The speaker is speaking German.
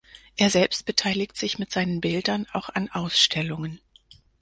Er selbst beteiligt sich mit seinen Bildern auch an Ausstellungen.